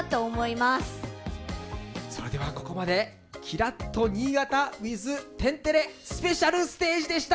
それではここまで「きらっと新潟×天てれ」スペシャルステージでした！